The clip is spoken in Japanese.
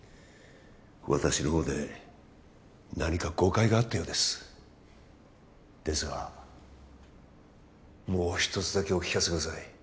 私の方で何か誤解があったようですですがもう一つだけお聞かせください